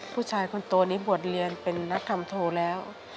ผู้ชายคนนี้บวชเรียนเป็นนักทำโทแล้ว